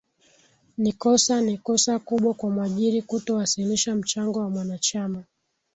ni kosa ni kosa kubwa kwa mwajiri kutowasilisha mchango wa mwanachama